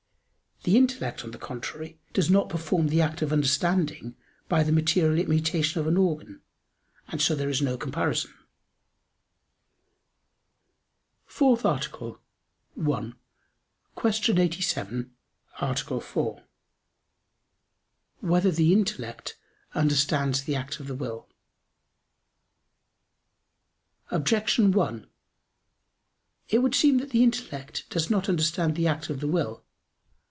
The intellect, on the contrary, does not perform the act of understanding by the material immutation of an organ; and so there is no comparison. _______________________ FOURTH ARTICLE [I, Q. 87, Art. 4] Whether the Intellect Understands the Act of the Will? Objection 1: It would seem that the intellect does not understand the act of the will.